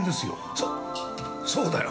そそうだよ。